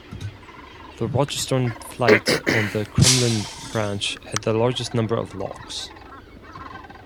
The Rogerstone flight on the Crumlin Branch had the largest number of locks.